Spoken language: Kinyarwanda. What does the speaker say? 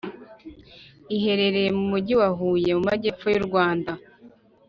iherereye mu mujyi wa huye mu majyepfo y’u rwanda.